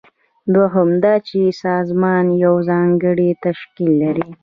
دوهم دا چې سازمان یو ځانګړی تشکیل لري.